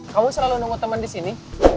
kamu selalu nunggu teman di sini